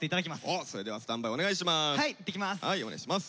それではスタンバイお願いします。